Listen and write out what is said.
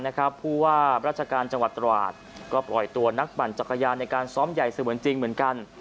เพราะว่าราชการจังหวัดตราดก็ปล่อยตัวนักปั่นจักรยานในการซ้อมใหญ่เสมือนจริงเหมือนกัน